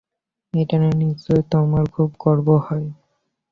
এটা নিয়ে নিশ্চয় তোমার খুব গর্ব হয়।